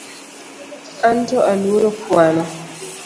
Anto aluoro kuano